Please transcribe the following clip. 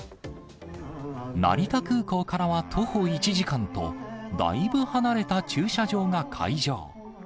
成田空港からは徒歩１時間と、だいぶ離れた駐車場が会場。